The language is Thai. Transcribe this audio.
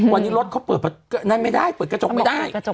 วันนี้รถเขาเปิดกระจกไม่ได้